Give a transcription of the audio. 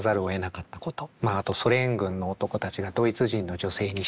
まああとソ連軍の男たちがドイツ人の女性にしたこと。